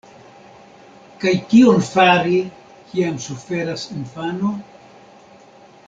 Kaj kion fari, kiam suferas infano?